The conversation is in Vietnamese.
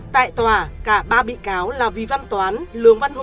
tại tòa cả ba bị cáo là vi văn toán lường văn hùng